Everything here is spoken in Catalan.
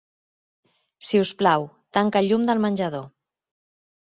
Si us plau, tanca el llum del menjador.